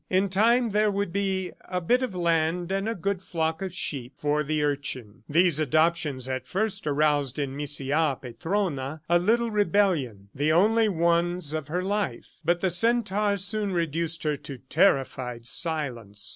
In time there would be a bit of land and a good flock of sheep for the urchin. These adoptions at first aroused in Misia Petrona a little rebellion the only ones of her life; but the centaur soon reduced her to terrified silence.